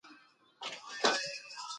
ایا لیک کافي دی؟